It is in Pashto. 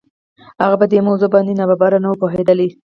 هغه په دې موضوع باندې ناببره نه و پوهېدلی.